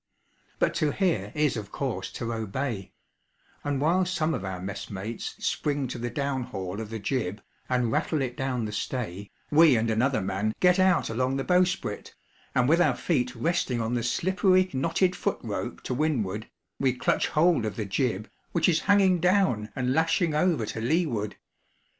But to hear is of course to obey; and while some of our messmates spring to the downhaul of the jib, and rattle it down the stay, we and another man get out along the bowsprit, and with our feet resting on the slippery, knotted footrope to windward, we clutch hold of the jib, which is hanging down and lashing over to leeward.